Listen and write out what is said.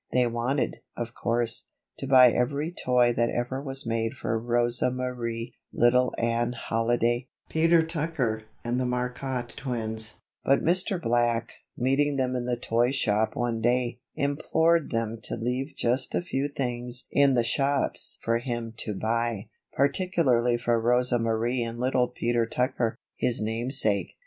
They wanted, of course, to buy every toy that ever was made for Rosa Marie, little Anne Halliday, Peter Tucker and the Marcotte twins; but Mr. Black, meeting them in the toy shop one day, implored them to leave just a few things in the shops for him to buy, particularly for Rosa Marie and little Peter Tucker, his namesake.